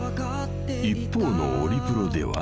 ［一方のオリプロでは］